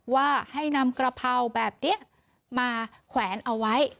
ว่าให้นำกระเพราแบบนี้มาแขวนเอาไว้